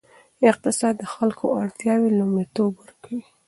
اقتصاد د خلکو اړتیاوې لومړیتوب ورکوي.